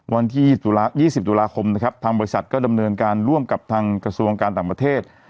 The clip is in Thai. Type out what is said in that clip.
วันที่๒๐ตุลาคมนะครับทางบริษัทก็ดำเนินการร่วมกับทางกระทรวงการต่างประเทศ